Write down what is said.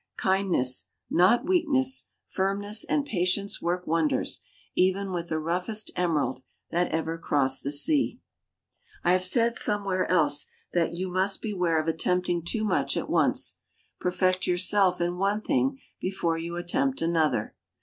Kindness (not weakness), firmness, and patience work wonders, even with the roughest Emerald that ever crossed the sea. I have said somewhere else that you must beware of attempting too much at once; perfect yourself in one thing before you attempt another.